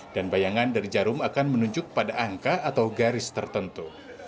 dan bayangan dari jarum akan menunjuk pada angka atau garis tertentu